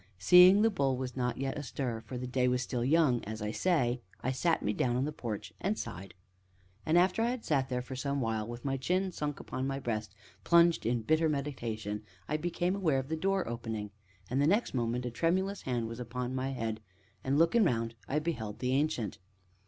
Seeing "The Bull" was not yet astir, for the day was still young (as I say), I sat me down in the porch and sighed. And after I had sat there for some while, with my chin sunk upon my breast, and plunged in bitter meditation, I became aware of the door opening, and next moment a tremulous hand was laid upon my head, and, looking round, I beheld the Ancient.